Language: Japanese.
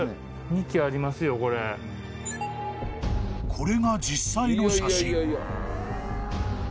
［これが実際の写真］